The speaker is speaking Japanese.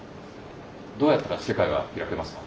どうやったら世界は開けますか？